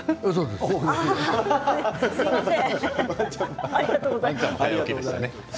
すみません。